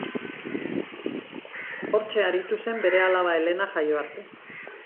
Hortxe aritu zen bere alaba Elena jaio arte.